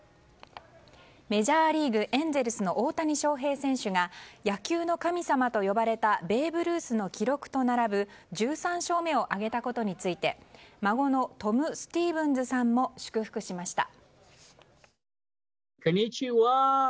メジャーリーグエンゼルスの大谷翔平選手が野球の神様と呼ばれたベーブ・ルースの記録と並ぶ１３勝目を挙げたことについて孫のトム・スティーブンズさんも祝福しました。